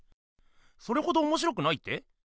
それほどおもしろくないって？